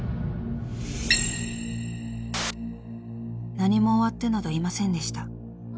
［何も終わってなどいませんでした。